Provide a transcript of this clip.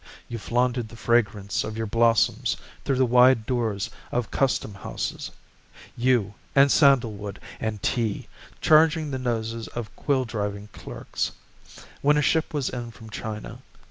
You flaunted the fragrance of your blossoms Through the wide doors of Custom Houses You, and sandal wood, and tea, Charging the noses of quill driving clerks When a ship was in from China.